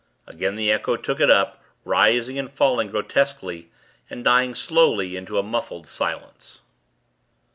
Again the echo took it up, rising and falling, grotesquely, and dying slowly into a muffled silence.